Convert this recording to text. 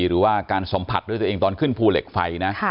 หรือว่าการสัมผัสด้วยตัวเองตอนขึ้นภูเหล็กไฟนะ